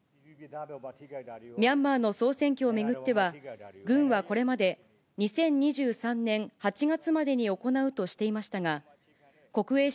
ミャンマーの総選挙を巡っては、軍はこれまで２０２３年８月までに行うとしていましたが、国営紙